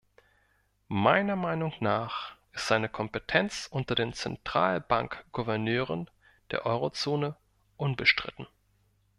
Meiner Meinung nach ist seine Kompetenz unter den Zentralbankgouverneuren der Eurozone unbestritten.